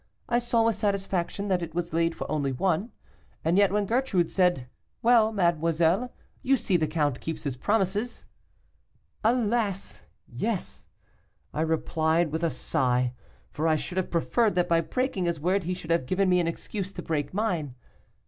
I saw with satisfaction that it was laid for one only, and yet when Gertrude said, 'Well, mademoiselle, you see the count keeps his promises.' 'Alas! yes,' replied I with a sigh, for I should have preferred that by breaking his word he should have given me an excuse to break mine.